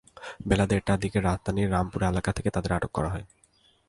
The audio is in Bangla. বেলা দেড়টার দিকে রাজধানীর রামপুরা এলাকা থেকে তাঁদের আটক করা হয়।